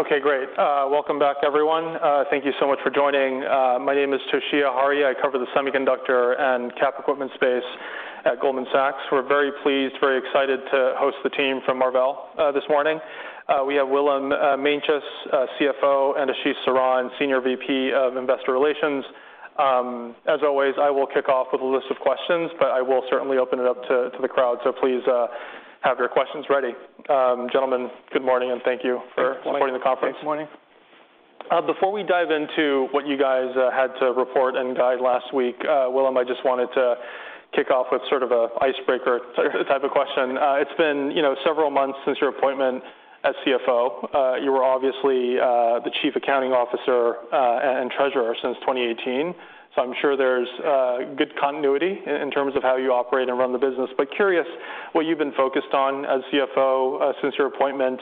Okay, great. Welcome back, everyone. Thank you so much for joining. My name is Toshiya Hari. I cover the Semiconductor and Cap Equipment Space at Goldman Sachs. We're very pleased, very excited to host the team from Marvell this morning. We have Willem Meintjes, CFO, and Ashish Saran, Senior VP of Investor Relations. As always, I will kick off with a list of questions, but I will certainly open it up to the crowd, so please, have your questions ready. Gentlemen, good morning, and thank you for- Good morning. Supporting the Conference. Good morning. Before we dive into what you guys had to report and guide last week, Willem, I just wanted to kick off with sort of a icebreaker. Sure Type of question. It's been, you know, several months since your appointment as CFO. You were obviously, the Chief Accounting Officer, and treasurer since 2018, so I'm sure there's, good continuity in terms of how you operate and run the business. Curious what you've been focused on as CFO, since your appointment,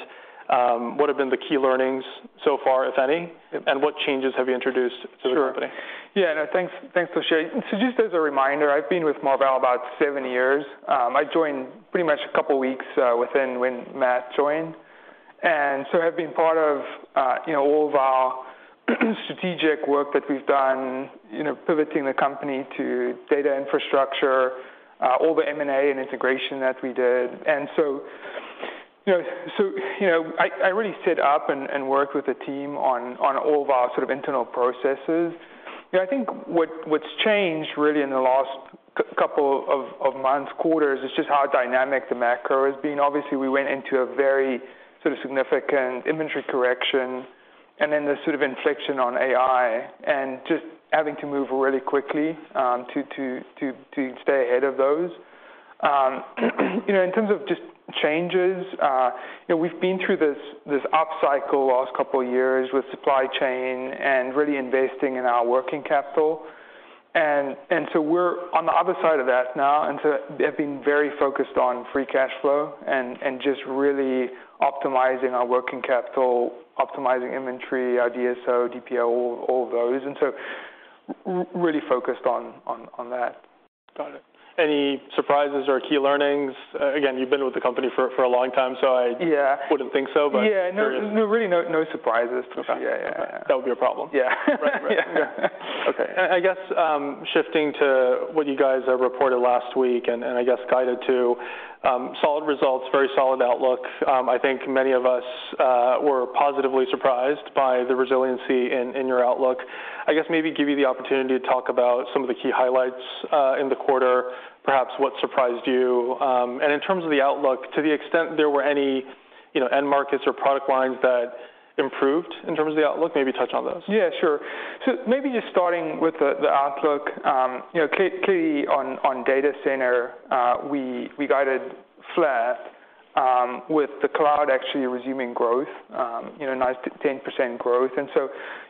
what have been the key learnings so far, if any, and what changes have you introduced to the company? Sure. Yeah, thanks, Toshiya. Just as a reminder, I've been with Marvell about seven years. I joined pretty much a couple weeks within when Matt joined, have been part of, you know, all of our strategic work that we've done, you know, pivoting the company to data infrastructure, all the M&A and integration that we did. So, you know, I really sit up and work with the team on all of our sort of internal processes. You know, I think what's changed really in the last couple of months, quarters, is just how dynamic the macro has been. Obviously, we went into a very sort of significant inventory correction, and then the sort of inflection on AI, and just having to move really quickly to stay ahead of those. you know, in terms of just changes, you know, we've been through this upcycle last couple of years with supply chain and really investing in our working capital. We're on the other side of that now, and so have been very focused on free cash flow and just really optimizing our working capital, optimizing inventory, our DSO, DPO, all those, and so really focused on that. Got it. Any surprises or key learnings? Again, you've been with the company for a long time. Yeah Wouldn't think so, but- Yeah Curious. No, really, no surprises, Toshiya. Yeah. That would be a problem? Yeah. Right. Right. Yeah. Okay, I guess, shifting to what you guys reported last week and I guess guided to, solid results, very solid outlook. I think many of us were positively surprised by the resiliency in your outlook. I guess maybe give you the opportunity to talk about some of the key highlights in the quarter, perhaps what surprised you? In terms of the outlook, to the extent there were any, you know, end markets or product lines that improved in terms of the outlook, maybe touch on those. Sure. Maybe just starting with the outlook, you know, clearly on data center, we guided flat, with the cloud actually resuming growth, you know, a nice 10% growth.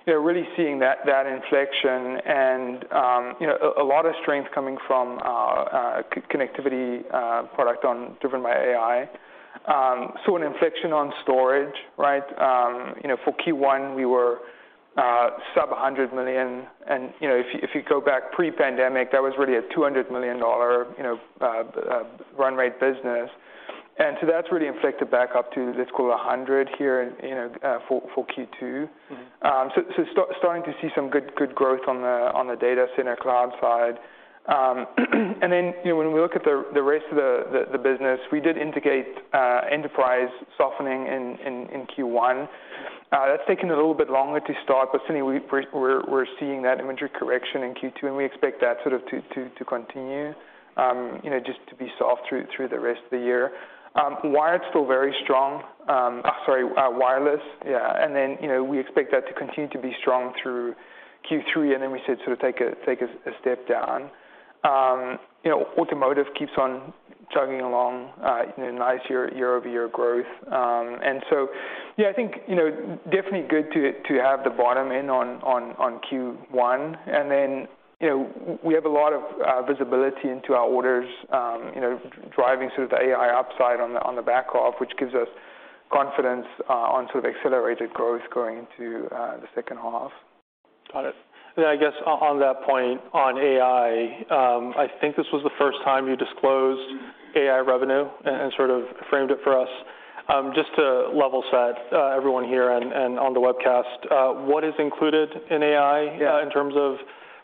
Really seeing that inflection and, you know, a lot of strength coming from connectivity product on driven by AI. Saw an inflection on storage, right? You know, for Q1, we were sub $100 million, and, you know, if you go back pre-pandemic, that was really a $200 million, you know, run rate business. That's really inflected back up to, let's call it $100 million here in, you know, for Q2. Starting to see some good growth on the, on the data center cloud side. you know, when we look at the rest of the, the business, we did indicate enterprise softening in Q1. That's taken a little bit longer to start, but certainly we're seeing that inventory correction in Q2, and we expect that sort of to continue, you know, just to be soft through the rest of the year. Wired's still very strong. sorry, wireless. you know, we expect that to continue to be strong through Q3, and then we should sort of take a step down. you know, automotive keeps on chugging along, you know, nice year-over-year growth. Yeah, I think, you know, definitely good to have the bottom in on Q1. You know, we have a lot of visibility into our orders, you know, driving sort of the AI upside on the, on the back half, which gives us confidence on sort of accelerated growth going into the second half. Got it. I guess on that point, on AI, I think this was the first time you disclosed AI revenue and sort of framed it for us. Just to level set, everyone here and on the webcast, what is included in AI? In terms of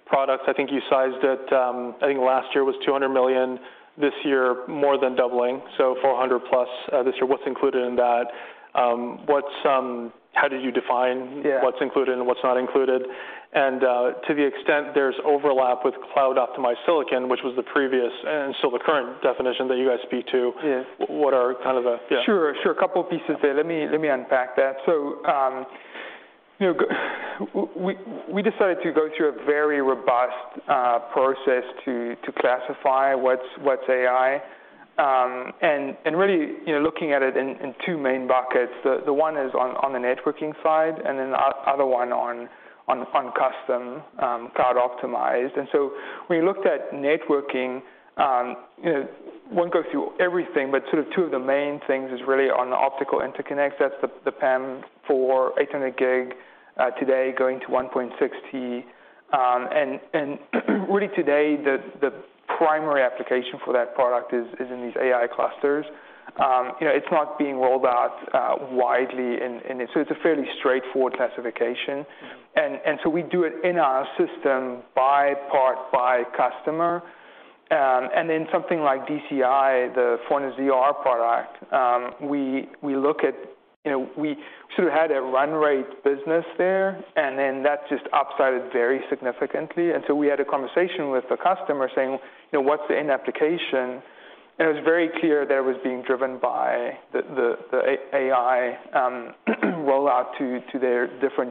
products? I think you sized it, I think last year was $200 million. This year, more than doubling, so $400+ this year. What's included in that? How did you define what's included and what's not included? To the extent there's overlap with cloud-optimized silicon, which was the previous and still the current definition that you guys speak to what are kind of? Yeah. Sure, sure. A couple pieces there. Let me unpack that. You know, we decided to go through a very robust process to classify what's AI, and really, you know, looking at it in 2 main buckets. The one is on the networking side, and then other one on custom cloud-optimized. When we looked at networking, you know, won't go through everything, but sort of 2 of the main things is really on the optical interconnect. That's the PAM4 800G today, going to 1.6T and really today, the primary application for that product is in these AI clusters. You know, it's not being rolled out widely in it, so it's a fairly straightforward classification. So we do it in our system by part, by customer. Then something like DCI, the Fortnite ZR product, we look at, you know, we sort of had a run rate business there, and then that just upsided very significantly. So we had a conversation with the customer saying, "You know, what's the end application?" It was very clear that it was being driven by the AI, rollout to their different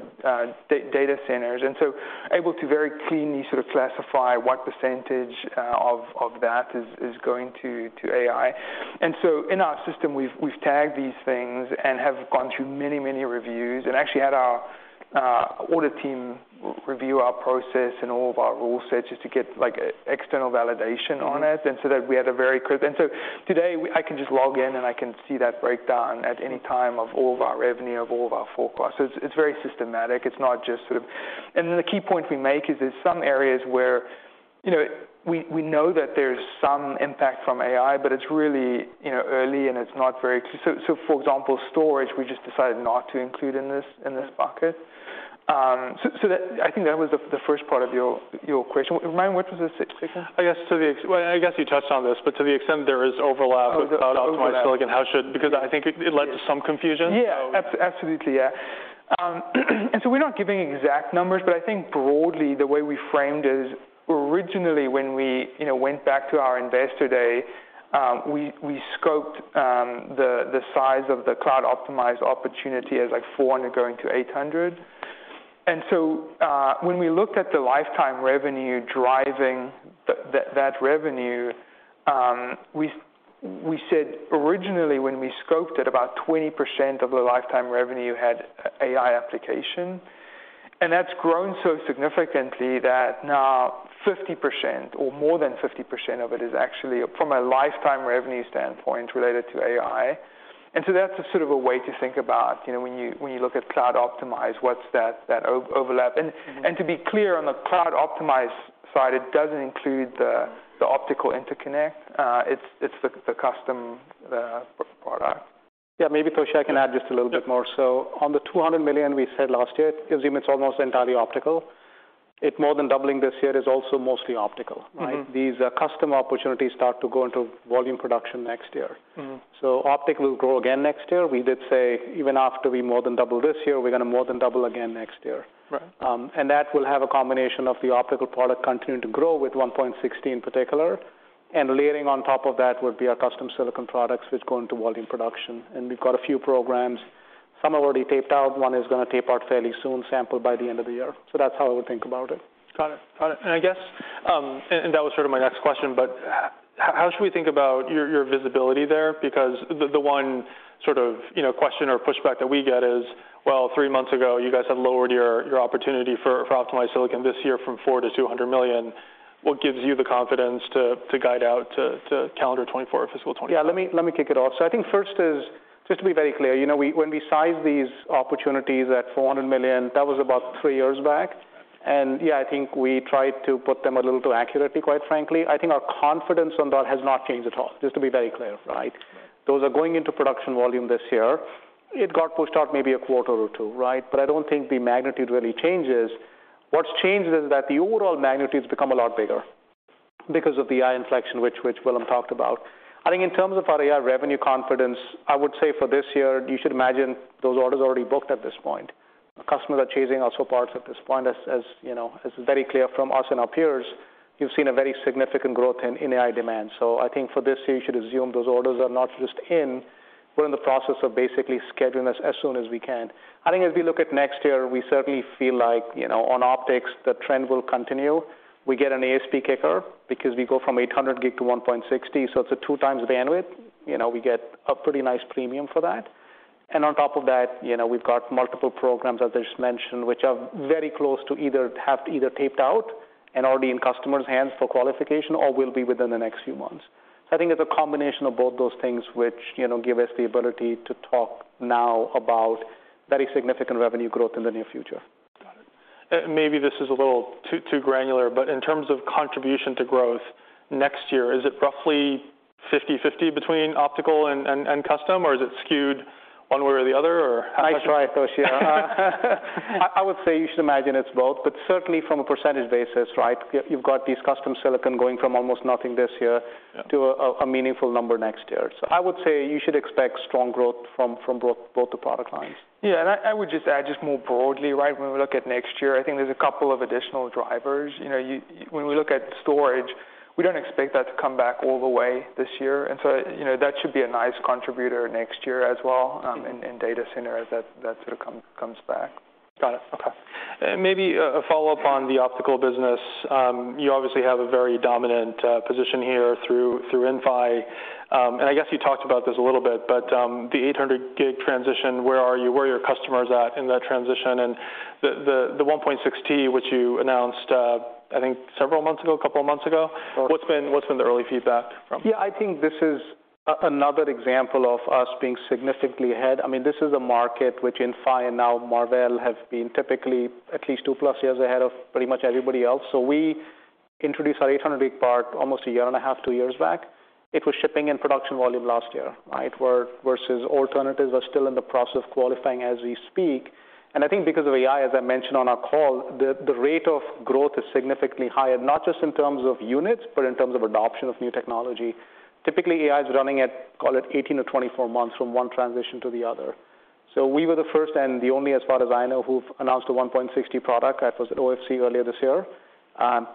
data centers. So able to very cleanly sort of classify what percentage of that is going to AI. In our system, we've tagged these things and have gone through many reviews and actually had our audit team review our process and all of our rule sets just to get, like, external validation on it. That we had a very clear. Today, I can just log in, and I can see that breakdown at any time of all of our revenue, of all of our forecasts. It's very systematic. It's not just sort of. The key point we make is there's some areas where, you know, we know that there's some impact from AI, but it's really, you know, early, and it's not very. So, for example, storage, we just decided not to include in this bucket. I think that was the first part of your question. Remind me, what was the second? I guess, well, I guess you touched on this, but to the extent there is overlap with optimized silicon, because I think it led to some confusion. Yeah. Absolutely, yeah. We're not giving exact numbers, but I think broadly, the way we framed it is, originally, when we, you know, went back to our Investor Day, we scoped the size of the cloud-optimized opportunity as, like, 400 going to 800. When we looked at the lifetime revenue driving that revenue, we said originally, when we scoped it, about 20% of the lifetime revenue had AI application. That's grown so significantly that now 50% or more than 50% of it is actually, from a lifetime revenue standpoint, related to AI. So that's a sort of a way to think about, you know, when you, when you look at cloud-optimized, what's that overlap? Mm-hmm. To be clear, on the cloud-optimized side, it doesn't include the optical interconnect. It's the custom product. Yeah, maybe, Toshiya, I can add just a little bit more. Yeah. On the $200 million we said last year, it's almost entirely optical. It more than doubling this year is also mostly optical, right? Mm-hmm. These custom opportunities start to go into volume production next year. Mm-hmm. Optical will grow again next year. We did say, even after we more than double this year, we're gonna more than double again next year. Right. That will have a combination of the optical product continuing to grow with 1.6T in particular, and layering on top of that would be our custom silicon products, which go into volume production. We've got a few programs. Some are already taped out, one is gonna tape out fairly soon, sample by the end of the year. That's how I would think about it. Got it. Got it. I guess, and that was sort of my next question, but how should we think about your visibility there? The one sort of, you know, question or pushback that we get is, "Well, three months ago, you guys had lowered your opportunity for cloud-optimized silicon this year from $400 million-$200 million. What gives you the confidence to guide out to calendar 2024, or fiscal 2024? Let me kick it off. I think first is, just to be very clear, you know, when we sized these opportunities at $400 million, that was about three years back. I think we tried to put them a little too accurately, quite frankly. I think our confidence on that has not changed at all, just to be very clear, right? Those are going into production volume this year. It got pushed out maybe a quarter or two, right? I don't think the magnitude really changes. What's changed is that the overall magnitude's become a lot bigger because of the AI inflection, which Willem talked about. I think in terms of our AI revenue confidence, I would say for this year, you should imagine those orders are already booked at this point. Customers are chasing also parts at this point, as you know, as is very clear from us and our peers, you've seen a very significant growth in AI demand. I think for this year, you should assume those orders are not just in, we're in the process of basically scheduling this as soon as we can. I think as we look at next year, we certainly feel like, you know, on optics, the trend will continue. We get an ASP kicker because we go from 800G to 1.6T, it's a 2x the bandwidth. You know, we get a pretty nice premium for that. On top of that, you know, we've got multiple programs, as I just mentioned, which are very close to have either taped out and already in customers' hands for qualification or will be within the next few months. I think it's a combination of both those things which, you know, give us the ability to talk now about very significant revenue growth in the near future. Got it. Maybe this is a little too granular, but in terms of contribution to growth next year, is it roughly 50-50 between optical and custom, or is it skewed one way or the other, or? Nice try, Toshiya. I would say you should imagine it's both, but certainly from a percentage basis, right? You've got these custom silicon going from almost nothing this year to a meaningful number next year. I would say you should expect strong growth from both the product lines. I would just add, just more broadly, right? When we look at next year, I think there's a couple of additional drivers. You know, when we look at storage, we don't expect that to come back all the way this year, you know, that should be a nice contributor next year as well in data center, as that sort of comes back. Got it. Okay. Maybe a follow-up on the optical business. You obviously have a very dominant position here through Inphi. I guess you talked about this a little bit, the 800G transition, where are you? Where are your customers at in that transition? The 1.6T, which you announced, I think several months ago, a couple of months ago, what's been the early feedback from? I think this is another example of us being significantly ahead. I mean, this is a market which Inphi and now Marvell have been typically at least 2+ years ahead of pretty much everybody else. We introduce our 800G part almost 1.5 years, 2 years back. It was shipping in production volume last year, right? Where versus alternatives are still in the process of qualifying as we speak. I think because of AI, as I mentioned on our call, the rate of growth is significantly higher, not just in terms of units, but in terms of adoption of new technology. Typically, AI is running at, call it 18-24 months from one transition to the other. We were the first and the only, as far as I know, who've announced a 1.60 product. That was at OFC earlier this year.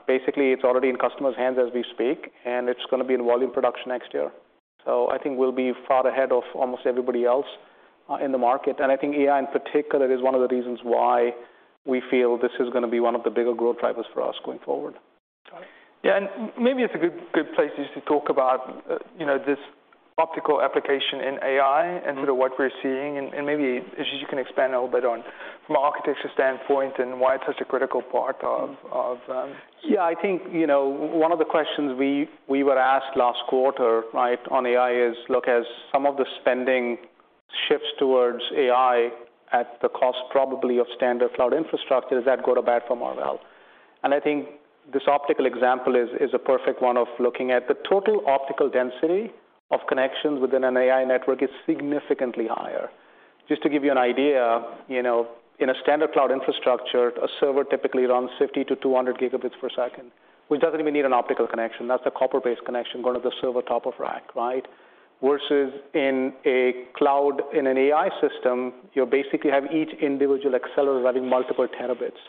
Basically, it's already in customers' hands as we speak, and it's going to be in volume production next year. I think we'll be far ahead of almost everybody else in the market. I think AI, in particular, is one of the reasons why we feel this is going to be one of the bigger growth drivers for us going forward. Got it. Yeah, maybe it's a good place just to talk about, you know, this optical application in AI and sort of what we're seeing, and maybe, Rajesh, you can expand a little bit on from an architecture standpoint and why it's such a critical part of. I think, you know, one of the questions we were asked last quarter, right, on AI is, look, as some of the spending shifts towards AI at the cost probably of standard cloud infrastructure, is that good or bad for Marvell? I think this optical example is a perfect one of looking at the total optical density of connections within an AI network is significantly higher. Just to give you an idea, you know, in a standard cloud infrastructure, a server typically runs 50 to 200 Gb per second, which doesn't even need an optical connection. That's a copper-based connection going to the server top of rack, right? Versus in an AI system, you basically have each individual accelerator running multiple terabits,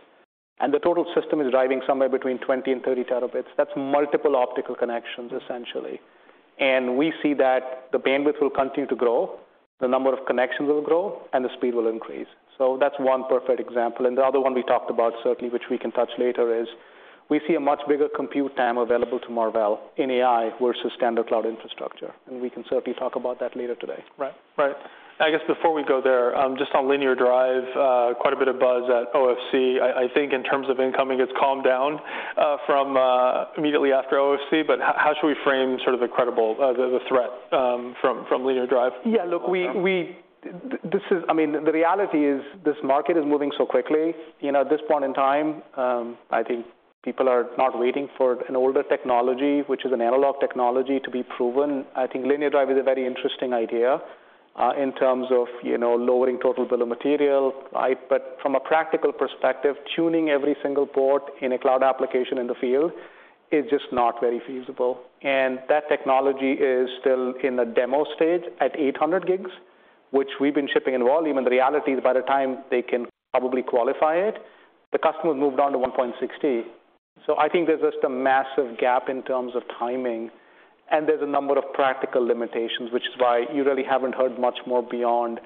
and the total system is driving somewhere between 20 and 30 terabits. That's multiple optical connections, essentially. We see that the bandwidth will continue to grow, the number of connections will grow, and the speed will increase. That's one perfect example, and the other one we talked about, certainly, which we can touch later, is we see a much bigger compute TAM available to Marvell in AI versus standard cloud infrastructure, and we can certainly talk about that later today. Right. Right. I guess before we go there, just on linear drive, quite a bit of buzz at OFC. I think in terms of incoming, it's calmed down from immediately after OFC. How should we frame sort of the credible threat from linear drive? Yeah, look, we, this is, I mean, the reality is this market is moving so quickly. You know, at this point in time, I think people are not waiting for an older technology, which is an analog technology, to be proven. I think linear drive is a very interesting idea, in terms of, you know, lowering total bill of material, right? From a practical perspective, tuning every single port in a cloud application in the field is just not very feasible, and that technology is still in the demo stage at 800 gigs, which we've been shipping in volume, and the reality is, by the time they can probably qualify it, the customer has moved on to 1.60. I think there's just a massive gap in terms of timing, and there's a number of practical limitations, which is why you really haven't heard much more beyond.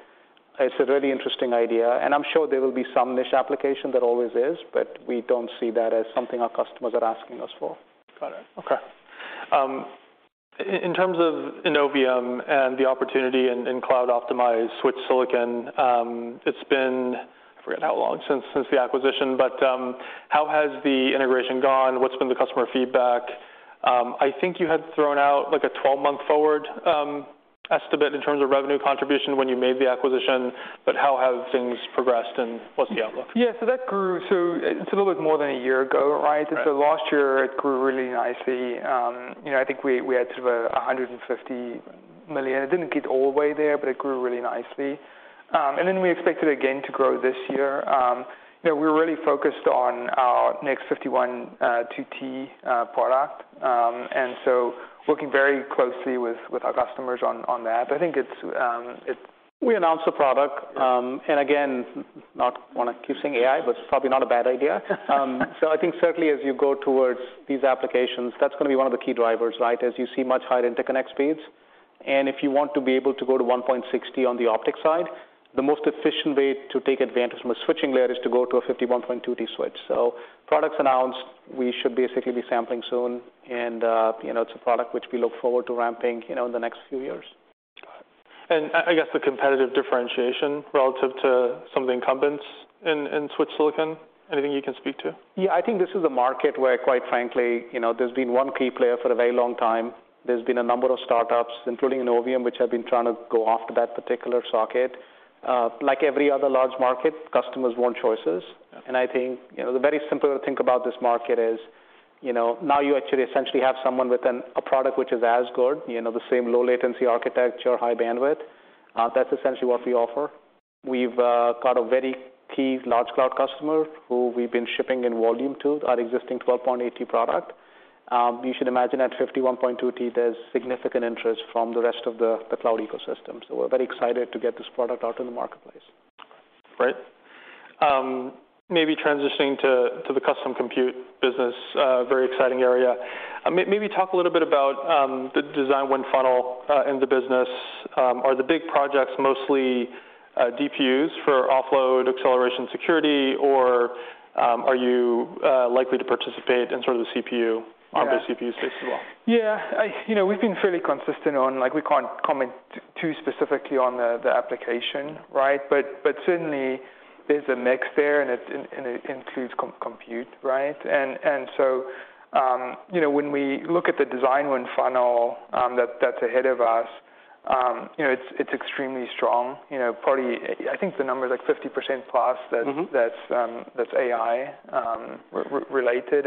It's a very interesting idea, and I'm sure there will be some niche application, there always is, but we don't see that as something our customers are asking us for. Got it. Okay. In terms of Innovium and the opportunity in cloud-optimized switch silicon, it's been, I forget how long since the acquisition, but how has the integration gone? What's been the customer feedback? I think you had thrown out, like, a 12-month forward estimate in terms of revenue contribution when you made the acquisition, but how have things progressed, and what's the outlook? That grew, so it's a little bit more than a year ago, right? Right. Last year, it grew really nicely. You know, I think we had sort of $150 million. It didn't get all the way there, but it grew really nicely. We expected, again, to grow this year. You know, we're really focused on our next 51.2T product. Working very closely with our customers on that. I think it's. We announced the product. Yeah. Again, not want to keep saying AI, but it's probably not a bad idea. I think certainly as you go towards these applications, that's going to be one of the key drivers, right? As you see much higher interconnect speeds, and if you want to be able to go to 1.6T on the optics side, the most efficient way to take advantage from a switching layer is to go to a 51.2T switch. Products announced, we should basically be sampling soon, and, you know, it's a product which we look forward to ramping, you know, in the next few years. Got it. I guess the competitive differentiation relative to some of the incumbents in switch silicon, anything you can speak to? Yeah, I think this is a market where, quite frankly, you know, there's been one key player for a very long time. There's been a number of startups, including Innovium, which have been trying to go after that particular socket. Like every other large market, customers want choices. Yeah. I think, you know, the very simple way to think about this market is, you know, now you actually essentially have someone with a product which is as good, you know, the same low latency architecture, high bandwidth. That's essentially what we offer. We've got a very key large cloud customer who we've been shipping in volume to our existing 12.8T product. You should imagine at 51.2T, there's significant interest from the rest of the cloud ecosystem, so we're very excited to get this product out in the marketplace. Right. Maybe transitioning to the custom compute business, very exciting area. Maybe talk a little bit about the design win funnel in the business. Are the big projects mostly DPUs for offload acceleration security, or are you likely to participate in sort of the CPU. On the CPU space as well? Yeah, you know, we've been fairly consistent on, like, we can't comment on too specifically on the application, right? Certainly there's a mix there, and it includes compute, right? You know, when we look at the design win funnel that's ahead of us, you know, it's extremely strong. You know, probably, I think the number is, like, 50% plus that's AI related.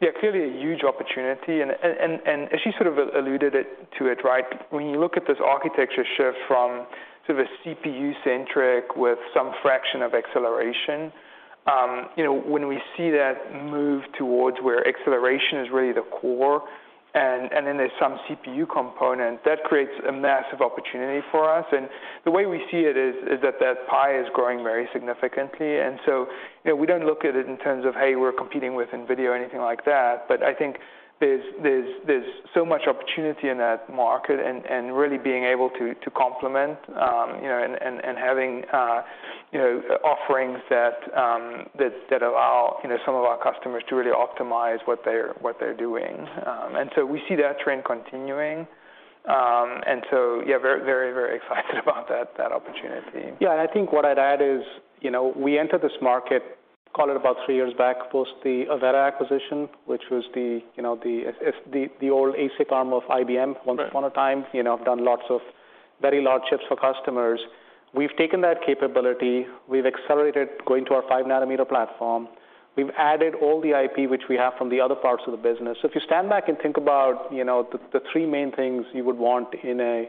Yeah, clearly a huge opportunity. As you sort of alluded it, to it, right, when you look at this architecture shift from sort of a CPU-centric with some fraction of acceleration, you know, when we see that move towards where acceleration is really the core, and then there's some CPU component, that creates a massive opportunity for us. The way we see it is that that pie is growing very significantly. You know, we don't look at it in terms of, "Hey, we're competing with NVIDIA," or anything like that. I think there's so much opportunity in that market and really being able to complement, you know, and having, you know, offerings that allow, you know, some of our customers to really optimize what they're doing. We see that trend continuing. Yeah, very excited about that opportunity. Yeah, I think what I'd add is, you know, we entered this market, call it about 3 years back, post the Avera acquisition, which was the, you know, the old ASIC arm of IBM. Right Once upon a time, you know, have done lots of very large chips for customers. We've taken that capability, we've accelerated going to our five-nanometer platform. We've added all the IP, which we have from the other parts of the business. If you stand back and think about, you know, the three main things you would want in a, in a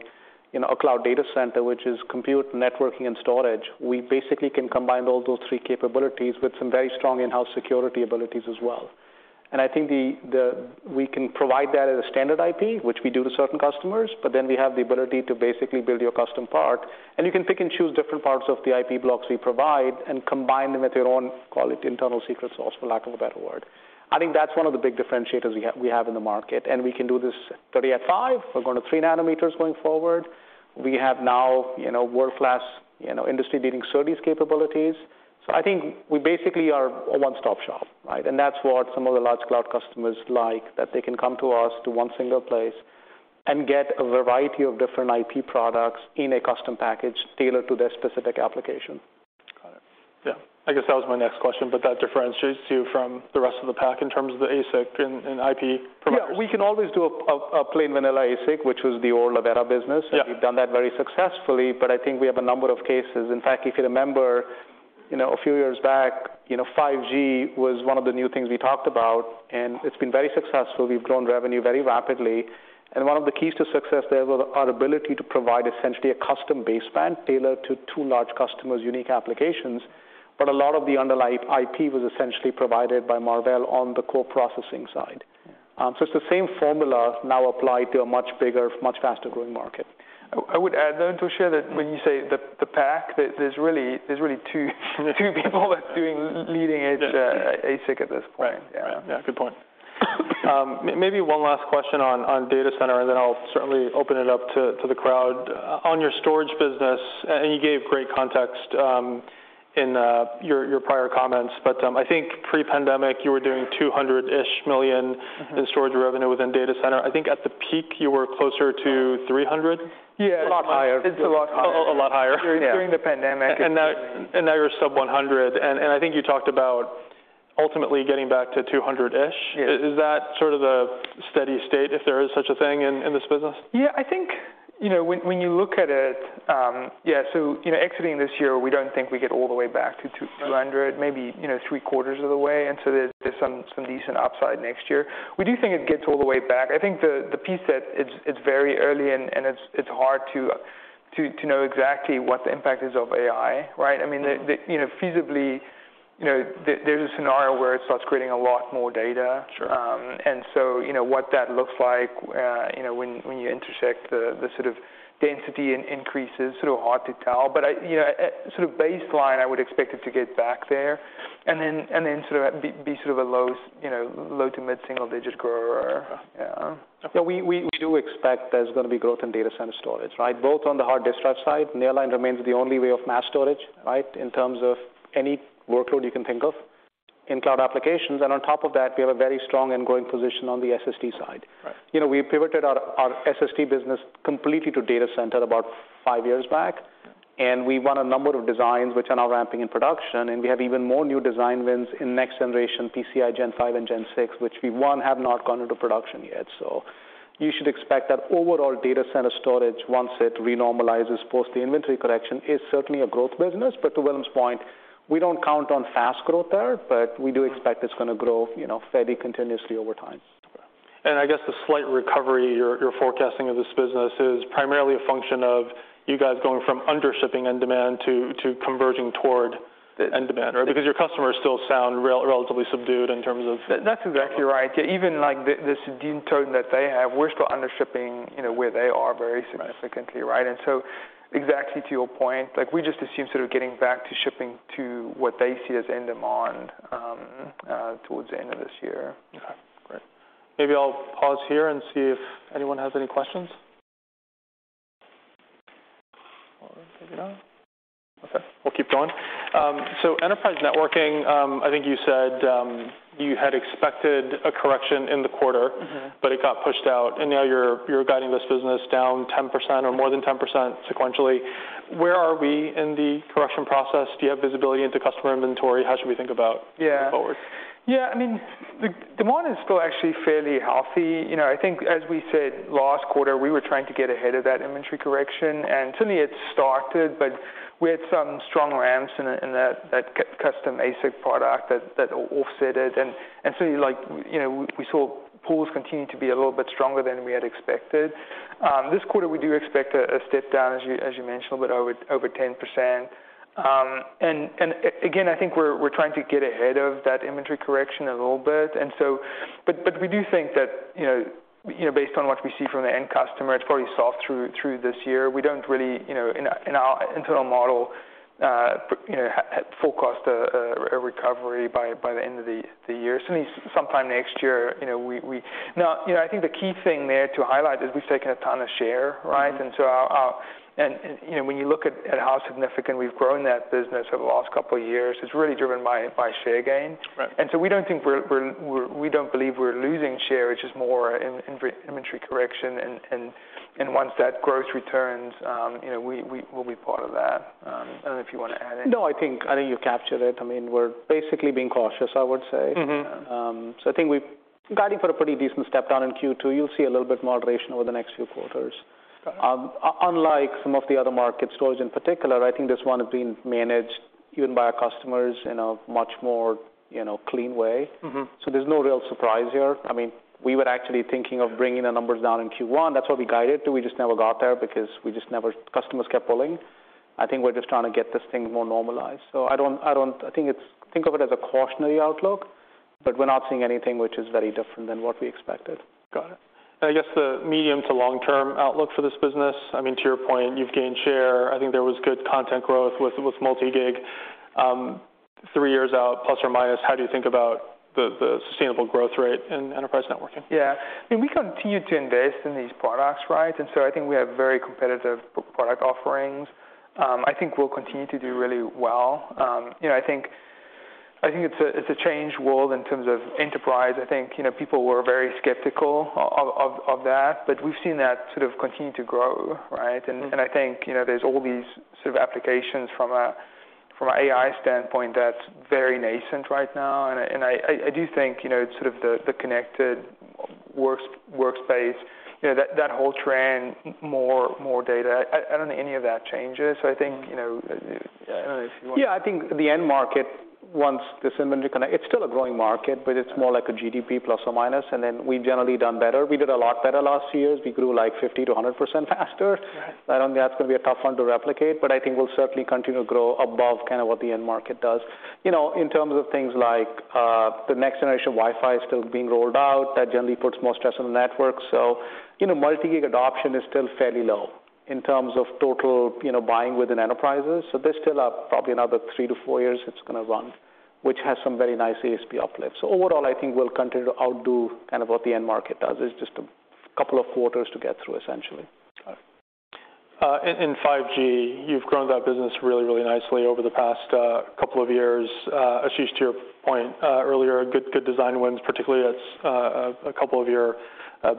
cloud data center, which is compute, networking, and storage, we basically can combine all those three capabilities with some very strong in-house security abilities as well. I think we can provide that as a standard IP, which we do to certain customers, we have the ability to basically build your custom part, and you can pick and choose different parts of the IP blocks we provide and combine them with your own, call it, internal secret sauce, for lack of a better word. I think that's one of the big differentiators we have in the market, and we can do this today at five-nanometer. We're going to 3 nanometers going forward. We have now, you know, world-class, you know, industry-leading services capabilities. I think we basically are a one-stop shop, right? That's what some of the large cloud customers like, that they can come to us, to one single place, and get a variety of different IP products in a custom package tailored to their specific application. Got it. Yeah. I guess that was my next question. That differentiates you from the rest of the pack in terms of the ASIC and IP providers. Yeah, we can always do a plain vanilla ASIC, which was the old Avera business. Yeah. We've done that very successfully, but I think we have a number of cases. In fact, if you remember, you know, a few years back, you know, 5G was one of the new things we talked about, and it's been very successful. We've grown revenue very rapidly, and one of the keys to success there was our ability to provide essentially a custom baseband tailored to 2 large customers' unique applications, but a lot of the underlying IP was essentially provided by Marvell on the core processing side. It's the same formula now applied to a much bigger, much faster-growing market. I would add, though, Toshiya, that when you say the pack, there's really two people that's doing leading-edge ASIC at this point. Right. Yeah. Yeah, good point. Maybe one last question on data center, and then I'll certainly open it up to the crowd. On your storage business, and you gave great context in your prior comments, but I think pre-pandemic, you were doing $200 million-ish- in storage revenue within data center. I think at the peak, you were closer to $300? Yeah. A lot higher. It's a lot higher. A lot higher. Yeah. During the pandemic now you're sub $100, and I think you talked about ultimately getting back to $200-ish. Yeah. Is that sort of the steady state, if there is such a thing in this business? Yeah, I think, you know, when you look at it, Yeah, you know, exiting this year, we don't think we get all the way back to 200, maybe, you know, three-quarters of the way. There's some decent upside next year. We do think it gets all the way back. I think the piece that it's very early, and it's hard to know exactly what the impact is of AI, right? I mean, the, you know, feasibly, you know, there's a scenario where it starts creating a lot more data. Sure. You know, what that looks like, you know, when you intersect the sort of density in increases, sort of hard to tell. you know, sort of baseline, I would expect it to get back there, and then sort of a low, you know, low to mid-single-digit grower. Yeah. Yeah. Yeah, we do expect there's gonna be growth in data center storage, right? Both on the hard disk drive side, Nearline remains the only way of mass storage, right, in terms of any workload you can think of in cloud applications. On top of that, we have a very strong and growing position on the SSD side. Right. You know, we pivoted our SSD business completely to data center about five years back, and we won a number of designs which are now ramping in production, and we have even more new design wins in next-generation PCIe Gen 5 and Gen 6, which we have not gone into production yet. You should expect that overall data center storage, once it re-normalizes post the inventory correction, is certainly a growth business. To Willem's point, we don't count on fast growth there, but we do expect it's gonna grow, you know, fairly continuously over time. I guess the slight recovery you're forecasting of this business is primarily a function of you guys going from under shipping end demand to converging toward the end demand, right? Yeah. Your customers still sound relatively subdued in terms of? That's exactly right. Yeah, even, like, the subdued tone that they have, we're still under shipping, you know, where they are very significantly, right? Exactly to your point, like, we just assume sort of getting back to shipping to what they see as end demand towards the end of this year. Yeah. Great. Maybe I'll pause here and see if anyone has any questions. Okay, we'll keep going. Enterprise networking, I think you said, you had expected a correction in the quarter. It got pushed out, and now you're guiding this business down 10% or more than 10% sequentially. Where are we in the correction process? Do you have visibility into customer inventory? How should we think about- Yeah. Going forward? Yeah, I mean, the demand is still actually fairly healthy. You know, I think, as we said last quarter, we were trying to get ahead of that inventory correction, and to me, it started, but we had some strong ramps in that custom ASIC product that offset it. Like, you know, we saw pools continue to be a little bit stronger than we had expected. This quarter, we do expect a step down, as you mentioned, but over 10%. Again, I think we're trying to get ahead of that inventory correction a little bit. But we do think that, you know, based on what we see from the end customer, it's probably soft through this year. We don't really, you know, in our, in our internal model, you know, at full cost, a recovery by the end of the year. Sometime next year, you know, Now, you know, I think the key thing there to highlight is we've taken a ton of share, right? Our And, you know, when you look at how significant we've grown that business over the last couple of years, it's really driven by share gain. Right. We don't think we don't believe we're losing share, it's just more in inventory correction. Once that growth returns, you know, we'll be part of that. I don't know if you want to add anything? No, I think you captured it. I mean, we're basically being cautious, I would say. I think we've guided for a pretty decent step down in Q2. You'll see a little bit moderation over the next few quarters. Got it. Unlike some of the other market stores in particular, I think this one has been managed even by our customers in a much more, you know, clean way. There's no real surprise here. I mean, we were actually thinking of bringing the numbers down in Q1. That's what we guided to. We just never got there because customers kept pulling. I think we're just trying to get this thing more normalized, so I don't think of it as a cautionary outlook, but we're not seeing anything which is very different than what we expected. Got it. I guess the medium to long-term outlook for this business, I mean, to your point, you've gained share. I think there was good content growth with multi-gig. three years out, ±, how do you think about the sustainable growth rate in enterprise networking? Yeah, we continue to invest in these products, right? I think we have very competitive product offerings. I think we'll continue to do really well. You know, I think it's a changed world in terms of enterprise. I think, you know, people were very skeptical of that, but we've seen that sort of continue to grow, right? I think, you know, there's all these sort of applications from a, from an AI standpoint that's very nascent right now. I do think, you know, sort of the connected workspace, you know, that whole trend, more data, I don't think any of that changes. I think, you know... I don't know if you want- Yeah, I think the end market, once this inventory it's still a growing market, but it's more like a GDP ±, and then we've generally done better. We did a lot better last year. We grew, like, 50%-100% faster. Right. I don't think that's gonna be a tough one to replicate, but I think we'll certainly continue to grow above kind of what the end market does. You know, in terms of things like the next generation Wi-Fi is still being rolled out. That generally puts more stress on the network. You know, multi-gig adoption is still fairly low in terms of total, you know, buying within enterprises. There's still, probably another 3-4 years it's gonna run, which has some very nice ASP uplifts. Overall, I think we'll continue to outdo kind of what the end market does. It's just a couple of quarters to get through, essentially. Got it. In 5G, you've grown that business really nicely over the past couple of years. Ashish, to your point earlier, good design wins, particularly that's a couple of your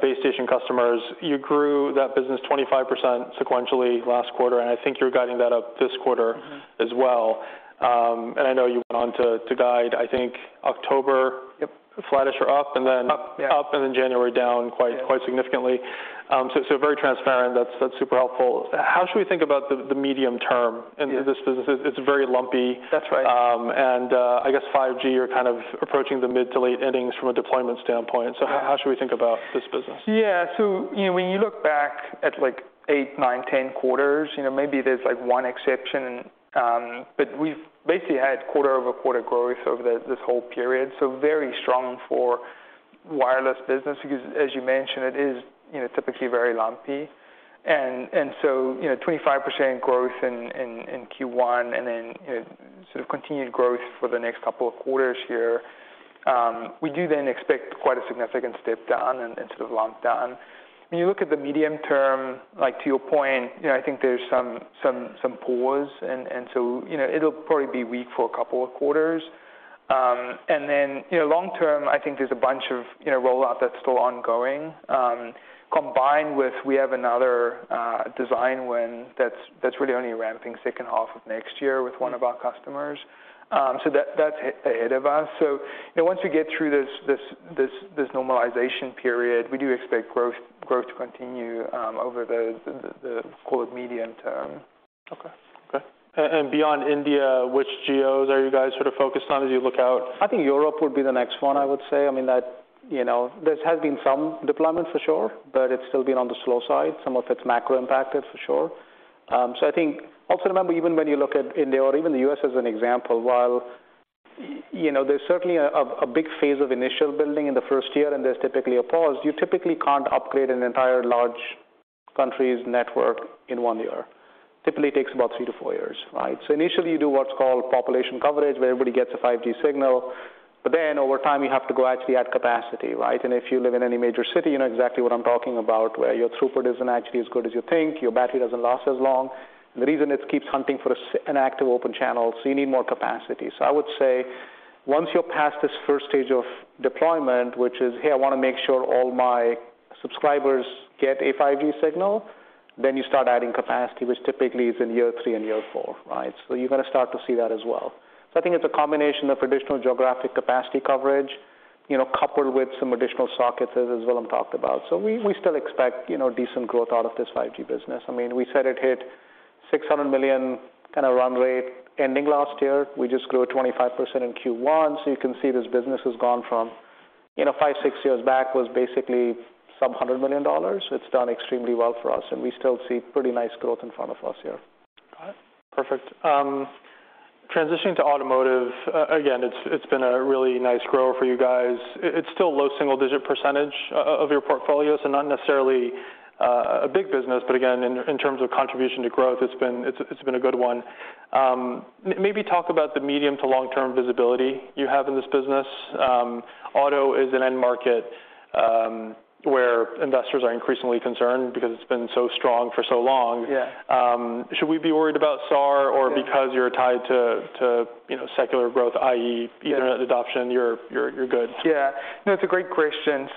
base station customers. You grew that business 25% sequentially last quarter, I think you're guiding that up this quarter as well. I know you went on to guide, I think October flattish or up, and then- Up, yeah. Up, and then January down quite- Yeah Quite significantly. Very transparent. That's super helpful. How should we think about the medium term in this business? Yeah. It's very lumpy. That's right. I guess 5G, you're kind of approaching the mid to late innings from a deployment standpoint. Yeah. How should we think about this business? Yeah. You know, when you look back at, like, 8, 9, 10 quarters, you know, maybe there's, like, 1 exception. We've basically had quarter-over-quarter growth over this whole period, so very strong for wireless business because, as you mentioned, it is, you know, typically very lumpy. You know, 25% growth in Q1 and then, sort of continued growth for the next couple of quarters here. We do then expect quite a significant step down and sort of long down. You look at the medium term, like, to your point, you know, I think there's some pause and so, you know, it'll probably be weak for a couple of quarters. You know, long term, I think there's a bunch of, you know, rollout that's still ongoing, combined with we have another design win that's really only ramping second half of next year with one of our customers. That's ahead of us. You know, once you get through this normalization period, we do expect growth to continue, over the call it medium term. Okay. Beyond India, which geos are you guys sort of focused on as you look out? I think Europe would be the next one, I would say. I mean, that, you know, there has been some deployment for sure, but it's still been on the slow side. Some of it's macro impacted, for sure. I think also remember, even when you look at India or even the U.S. as an example, while, you know, there's certainly a, a big phase of initial building in the first year, and there's typically a pause, you typically can't upgrade an entire large country's network in one year. Typically, it takes about 3-4 years, right? Initially, you do what's called population coverage, where everybody gets a 5G signal. Over time, you have to go actually add capacity, right? If you live in any major city, you know exactly what I'm talking about, where your throughput isn't actually as good as you think, your battery doesn't last as long. The reason, it keeps hunting for an active open channel, so you need more capacity. I would say, once you're past this first stage of deployment, which is, "Hey, I want to make sure all my subscribers get a 5G signal," then you start adding capacity, which typically is in year 3 and year 4, right? You're going to start to see that as well. I think it's a combination of additional geographic capacity coverage, you know, coupled with some additional sockets, as Willem talked about. We still expect, you know, decent growth out of this 5G business. I mean, we said it hit $600 million kind of run rate ending last year. We just grew 25% in Q1. You can see this business has gone from, you know, five, six years back, was basically sub $100 million. It's done extremely well for us. We still see pretty nice growth in front of us here. Got it. Perfect. Transitioning to automotive, again, it's been a really nice grower for you guys. It's still low single-digit % of your portfolio, not necessarily a big business, again, in terms of contribution to growth, it's been a good one. Maybe talk about the medium to long-term visibility you have in this business. Auto is an end market where investors are increasingly concerned because it's been so strong for so long. Yeah. Should we be worried about SAR? Yeah or because you're tied to, you know, secular growth, i.e., Yeah Ethernet adoption, you're good? Yeah. No, it's a great question.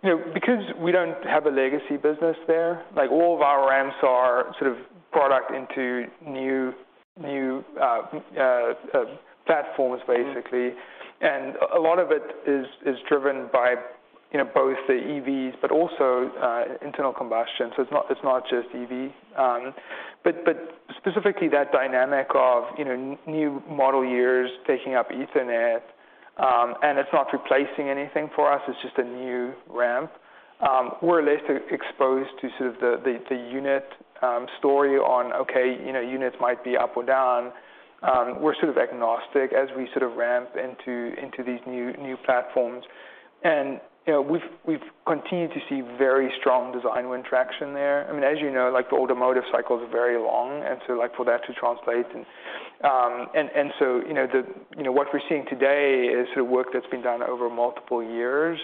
You know, because we don't have a legacy business there, like, all of our ramps are sort of product into new platforms, basically. Mm-hmm. A lot of it is driven by, you know, both the EVs but also internal combustion, so it's not just EV. Specifically, that dynamic of, you know, new model years taking up Ethernet, and it's not replacing anything for us, it's just a new ramp. We're less exposed to sort of the unit story on, okay, you know, units might be up or down. We're sort of agnostic as we sort of ramp into these new platforms. You know, we've continued to see very strong design win traction there. I mean, as you know, like, the automotive cycles are very long, like, for that to translate. You know, the what we're seeing today is sort of work that's been done over multiple years.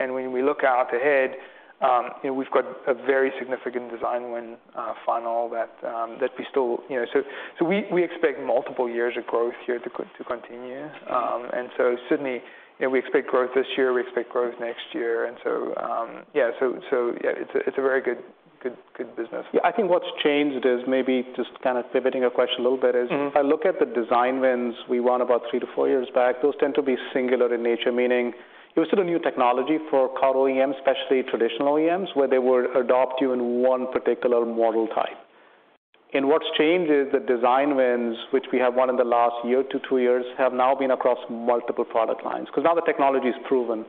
When we look out ahead, you know, we've got a very significant design win funnel that we still. We expect multiple years of growth here to continue. Certainly, you know, we expect growth this year, we expect growth next year, yeah, it's a very good business. Yeah, I think what's changed is maybe just kind of pivoting your question a little bit. If I look at the design wins we won about three to four years back, those tend to be singular in nature, meaning it was sort of new technology for car OEMs, especially traditional OEMs, where they would adopt you in one particular model type. What's changed is the design wins, which we have won in the last year to two years, have now been across multiple product lines, because now the technology is proven.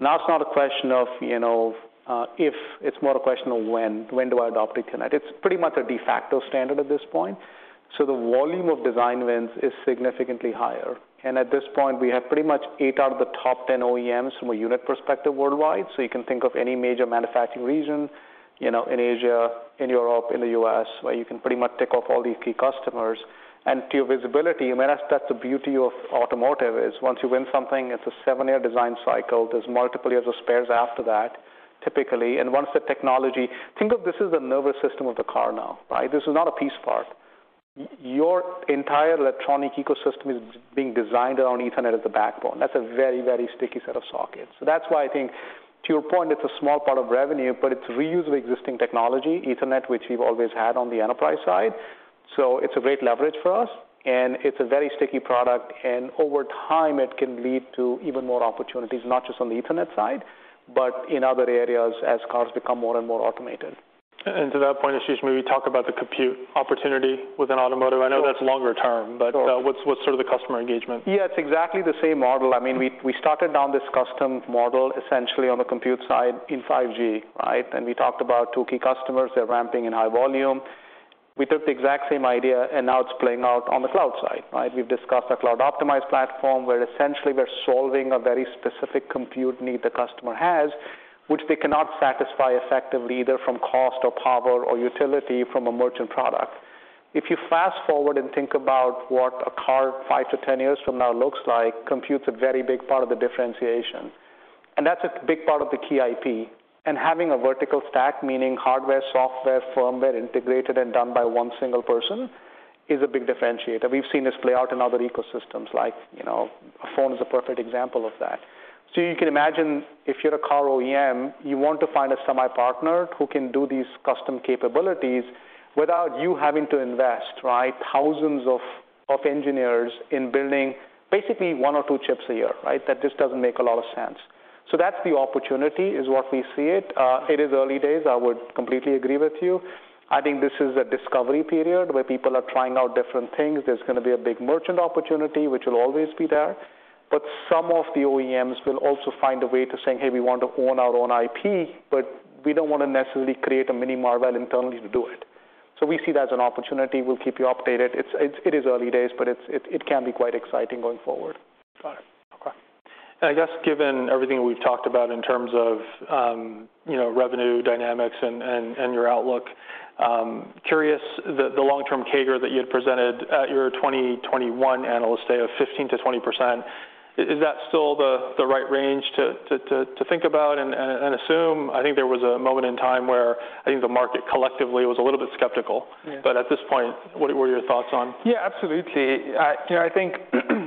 Now it's not a question of, you know, if, it's more a question of when: When do I adopt Ethernet? It's pretty much a de facto standard at this point. The volume of design wins is significantly higher, and at this point, we have pretty much 8 out of the top 10 OEMs from a unit perspective worldwide. You can think of any major manufacturing region, you know, in Asia, in Europe, in the US, where you can pretty much tick off all these key customers. To your visibility, you might ask, that's the beauty of automotive is once you win something, it's a 7-year design cycle. There's multiple years of spares after that, typically, and once the technology... Think of this as the nervous system of the car now, right? This is not a piece part. Your entire electronic ecosystem is being designed around Ethernet as the backbone. That's a very, very sticky set of sockets. That's why I think, to your point, it's a small part of revenue, but it's reuse of existing technology, Ethernet, which we've always had on the enterprise side, so it's a great leverage for us, and it's a very sticky product, and over time, it can lead to even more opportunities, not just on the Ethernet side, but in other areas as cars become more and more automated. To that point, Ashish, maybe talk about the compute opportunity within automotive. Sure. What's sort of the customer engagement? Yeah, it's exactly the same model. I mean, we started down this custom model essentially on the compute side in 5G, right? We talked about 2 key customers. They're ramping in high volume. We took the exact same idea, now it's playing out on the cloud side, right? We've discussed a cloud-optimized platform, where essentially we're solving a very specific compute need the customer has, which they cannot satisfy effectively, either from cost or power or utility, from a merchant product. If you fast-forward and think about what a car 5 to 10 years from now looks like, compute's a very big part of the differentiation, and that's a big part of the key IP. Having a vertical stack, meaning hardware, software, firmware, integrated and done by one single person, is a big differentiator. We've seen this play out in other ecosystems like, you know, a phone is a perfect example of that. You can imagine, if you're a car OEM, you want to find a semi partner who can do these custom capabilities without you having to invest, right? Thousands of engineers in building basically one or two chips a year, right? That just doesn't make a lot of sense. That's the opportunity, is what we see it. It is early days, I would completely agree with you. I think this is a discovery period, where people are trying out different things. There's going to be a big merchant opportunity, which will always be there, but some of the OEMs will also find a way to saying, "Hey, we want to own our own IP, but we don't want to necessarily create a mini Marvell internally to do it." We see that as an opportunity. We'll keep you updated. It is early days, but it can be quite exciting going forward. Got it. I guess, given everything we've talked about in terms of, you know, revenue dynamics and your outlook, curious the long-term CAGR that you had presented at your 2021 Investor Day of 15%-20%, is that still the right range to think about and assume? I think there was a moment in time where I think the market collectively was a little bit skeptical. Yeah. At this point, what are your thoughts on? Yeah, absolutely. you know, I think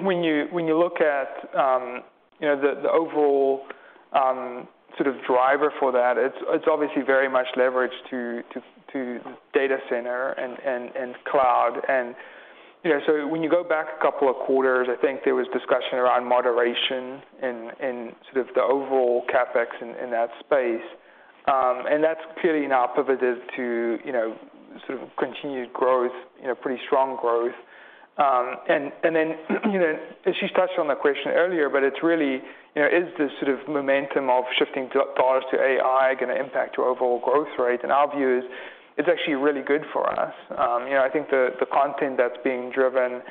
when you, when you look at, you know, the overall, sort of driver for that, it's obviously very much leveraged to data center and cloud. you know, so when you go back a couple of quarters, I think there was discussion around moderation and sort of the overall CapEx in that space. and that's clearly now pivoted to, you know, sort of continued growth, you know, pretty strong growth. And then, you know, Ashish touched on the question earlier, but it's really, you know, is this sort of momentum of shifting dollars to AI going to impact your overall growth rate? Our view is, it's actually really good for us. you know, I think the content that's being driven,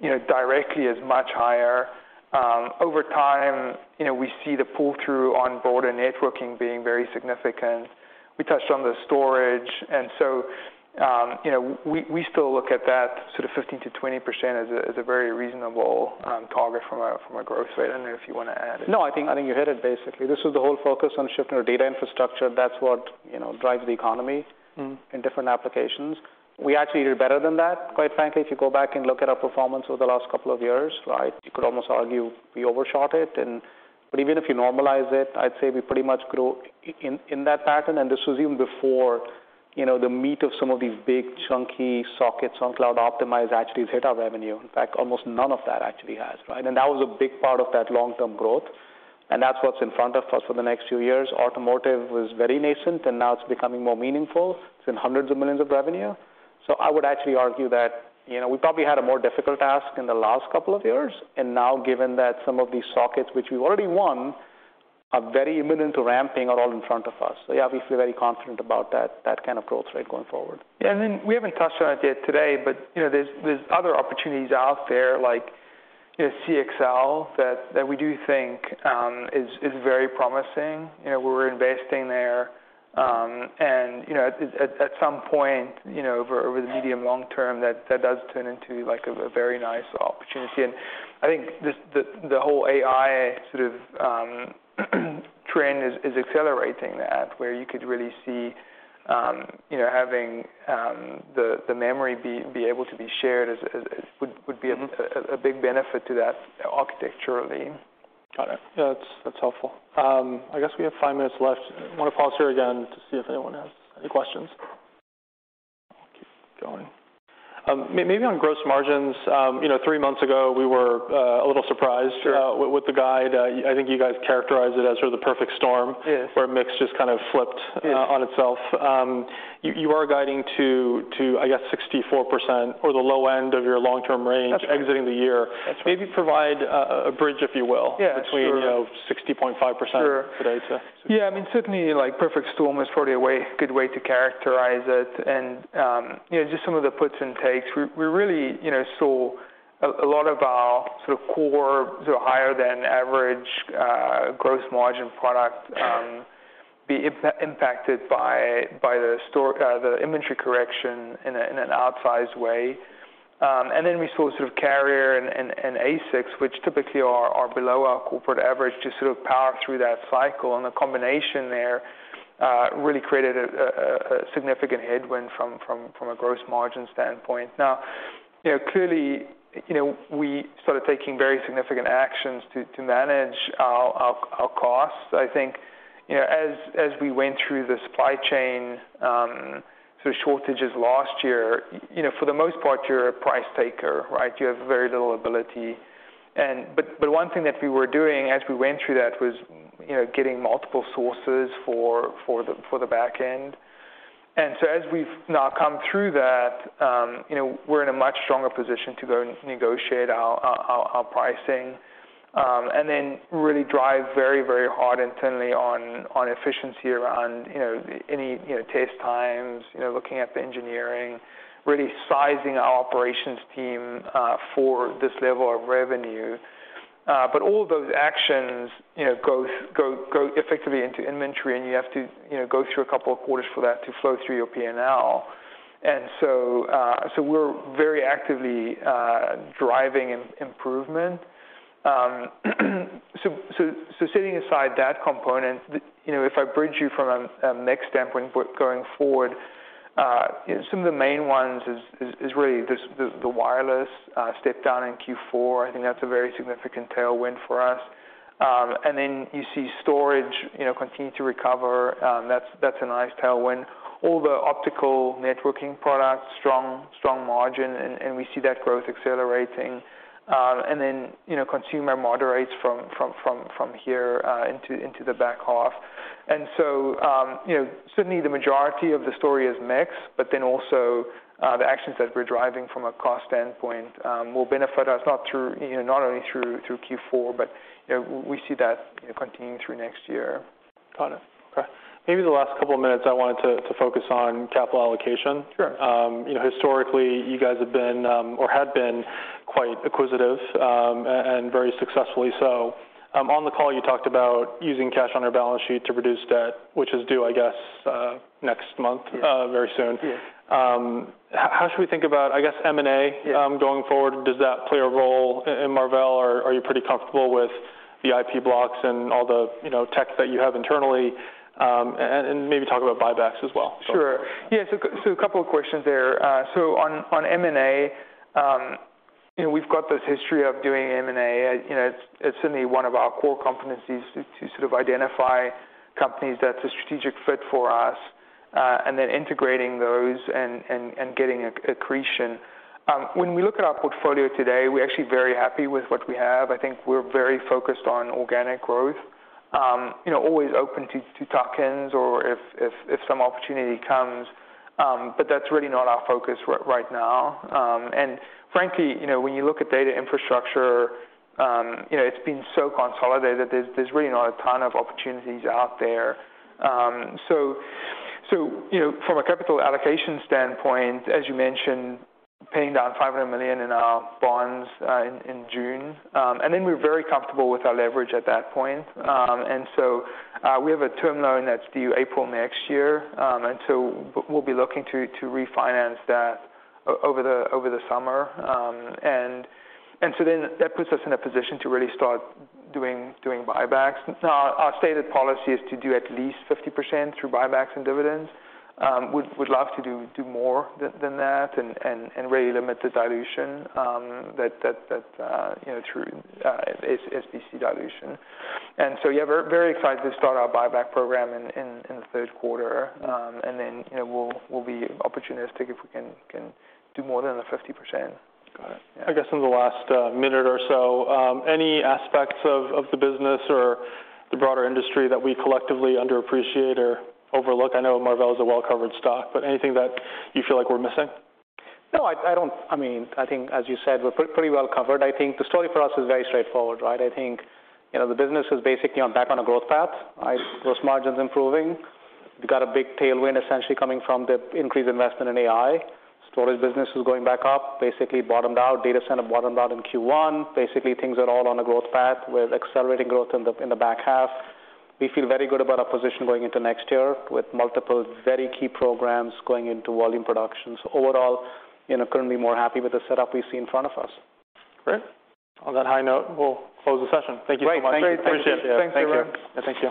you know, directly is much higher. Over time, you know, we see the pull-through on board and networking being very significant. We touched on the storage, and so, you know, we still look at that sort of 15%-20% as a very reasonable target from a, from a growth rate. I don't know if you want to add anything. No, I think you hit it, basically. This is the whole focus on shifting our data infrastructure. That's what, you know, drives the economy in different applications. We actually did better than that, quite frankly. If you go back and look at our performance over the last couple of years, right, you could almost argue we overshot it. Even if you normalize it, I'd say we pretty much grew in that pattern, and this was even before, you know, the meat of some of these big, chunky sockets on cloud-optimized actually hit our revenue. In fact, almost none of that actually has, right? That was a big part of that long-term growth, and that's what's in front of us for the next few years. Automotive was very nascent, and now it's becoming more meaningful. It's in hundreds of millions of revenue. I would actually argue that, you know, we probably had a more difficult task in the last couple of years. Now, given that some of these sockets, which we've already won, are very imminent to ramping, are all in front of us. Yeah, we feel very confident about that kind of growth rate going forward. We haven't touched on it yet today, but, you know, there's other opportunities out there, like, you know, CXL, that we do think is very promising. You know, we're investing there, and, you know, at some point, you know, over the medium long term, that does turn into, like, a very nice opportunity. I think this, the whole AI sort of trend is accelerating that, where you could really see, you know, having the memory be able to be shared as would be a big benefit to that architecturally. Got it. Yeah, that's helpful. I guess we have five minutes left. I want to pause here again to see if anyone has any questions. I'll keep going. Maybe on gross margins, you know, three months ago, we were a little surprised- Sure. With the guide. I think you guys characterized it as sort of the perfect storm. Yes Where mix just kind of flipped... Yes On itself. you are guiding to, I guess, 64% or the low end of your long-term range... That's right. Exiting the year. That's right. Maybe provide a bridge, if you will. Yeah, sure. between, you know, 60.5%. Sure Today, so. Yeah, I mean, certainly, like, perfect storm is probably a good way to characterize it. You know, just some of the puts and takes. We really, you know, saw a lot of our sort of core, sort of higher than average, gross margin product, be impacted by the inventory correction in an outsized way. We saw sort of carrier and ASICs, which typically are below our corporate average, just sort of power through that cycle. The combination there really created a significant headwind from a gross margin standpoint. Now, you know, clearly, you know, we started taking very significant actions to manage our costs. I think, you know, as we went through the supply chain, sort of shortages last year, you know, for the most part, you're a price taker, right? You have very little ability. But one thing that we were doing as we went through that was, you know, getting multiple sources for the back end. As we've now come through that, you know, we're in a much stronger position to go and negotiate our pricing. Really drive very hard intently on efficiency around, you know, any, you know, test times, you know, looking at the engineering, really sizing our operations team for this level of revenue. All of those actions, you know, go effectively into inventory, and you have to, you know, go through a couple of quarters for that to flow through your P&L. We're very actively driving improvement. Setting aside that component, you know, if I bridge you from a mix standpoint but going forward, some of the main ones is really this, the wireless step down in Q4. I think that's a very significant tailwind for us. You see storage, you know, continue to recover. That's a nice tailwind. All the optical networking products, strong margin, and we see that growth accelerating. You know, consumer moderates from here into the back half. You know, certainly, the majority of the story is mix, but then also, the actions that we're driving from a cost standpoint, will benefit us, not through, you know, not only through Q4, but, you know, we see that, you know, continuing through next year. Got it. Okay. Maybe the last couple of minutes, I wanted to focus on capital allocation. Sure. You know, historically, you guys have been, or had been quite acquisitive, and very successfully so. On the call, you talked about using cash on your balance sheet to reduce debt, which is due, I guess, next month... Yes. very soon. Yes. How should we think about, I guess, M&A? Yes Going forward? Does that play a role in Marvell, or are you pretty comfortable with the IP blocks and all the, you know, tech that you have internally? Maybe talk about buybacks as well, so. Sure. Yeah, a couple of questions there. On M&A, you know, we've got this history of doing M&A. You know, it's certainly one of our core competencies to sort of identify companies that's a strategic fit for us, and then integrating those and getting accretion. When we look at our portfolio today, we're actually very happy with what we have. I think we're very focused on organic growth. You know, always open to tuck-ins or if some opportunity comes. That's really not our focus right now. Frankly, you know, when you look at data infrastructure, you know, it's been so consolidated, there's really not a ton of opportunities out there. You know, from a capital allocation standpoint, as you mentioned, paying down $500 million in our bonds in June, we're very comfortable with our leverage at that point. We have a term loan that's due April next year, we'll be looking to refinance that over the summer. That puts us in a position to really start doing buybacks. Now, our stated policy is to do at least 50% through buybacks and dividends. We'd love to do more than that and really limit the dilution, you know, through SBC dilution. Yeah, we're very excited to start our buyback program in the third quarter. Then, you know, we'll be opportunistic if we can do more than the 50%. Got it. Yeah. I guess in the last minute or so, any aspects of the business or the broader industry that we collectively underappreciate or overlook? I know Marvell is a well-covered stock, but anything that you feel like we're missing? I mean, I think, as you said, we're pretty well covered. I think the story for us is very straightforward, right? I think, you know, the business is basically back on a growth path, right? Gross margin's improving. We've got a big tailwind essentially coming from the increased investment in AI. Storage business is going back up, basically bottomed out. Data center bottomed out in Q1. Basically, things are all on a growth path with accelerating growth in the back half. We feel very good about our position going into next year with multiple very key programs going into volume production. Overall, you know, couldn't be more happy with the setup we see in front of us. Great. On that high note, we'll close the session. Great. Thank you so much. Great. Appreciate it. Thanks, everyone. Thank you. Thank you.